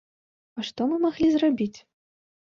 А што мы маглі зрабіць?